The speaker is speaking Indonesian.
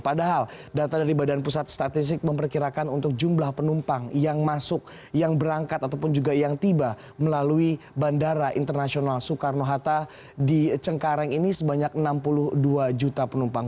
padahal data dari badan pusat statistik memperkirakan untuk jumlah penumpang yang masuk yang berangkat ataupun juga yang tiba melalui bandara internasional soekarno hatta di cengkareng ini sebanyak enam puluh dua juta penumpang